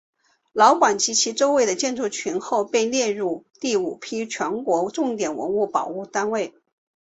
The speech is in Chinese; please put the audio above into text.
老馆及其周围的建筑群后被列入第五批全国重点文物保护单位。